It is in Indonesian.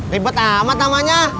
ribet amat namanya